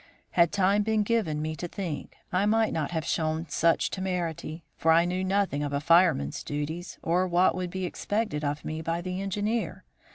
Had time been given me to think, I might not have shown such temerity, for I knew nothing of a fireman's duties or what would be expected of me by the engineer.